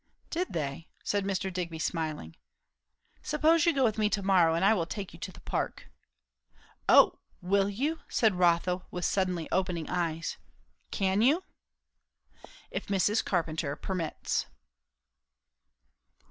"Did they?" said Mr. Digby smiling. "Suppose you go with me to morrow, and I will take you to the Park." "O! will you?" said Rotha with suddenly opening eyes. "Can you?" "If Mrs. Carpenter permits."